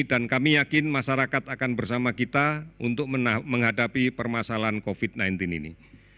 dan kami yakin masyarakat akan bersama kita untuk menghadapi permasalahan covid sembilan belas ini